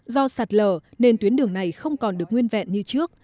do sạt lở nên tuyến đường này không còn được nguyên vẹn như trước